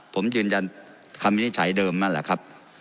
ผมยืนยันคำวินิจฉัยเดิมนั่นแหละครับ